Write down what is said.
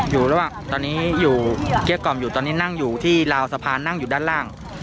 อยู่ระหว่างตอนนี้อยู่เกลี้ยกล่อมอยู่ตอนนี้นั่งอยู่ที่ราวสะพานนั่งอยู่ด้านล่าง